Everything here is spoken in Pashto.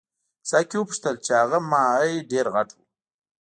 ساقي وپوښتل چې هغه ماهي ډېر غټ وو.